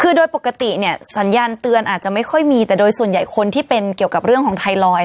คือโดยปกติเนี่ยสัญญาณเตือนอาจจะไม่ค่อยมีแต่โดยส่วนใหญ่คนที่เป็นเกี่ยวกับเรื่องของไทรอยด